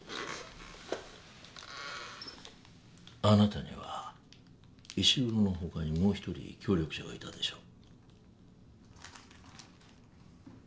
あなたには石黒のほかにもう一人協力者がいたでしょう。